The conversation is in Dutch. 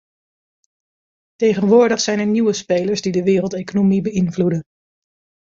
Tegenwoordig zijn er nieuwe spelers die de wereldeconomie beïnvloeden.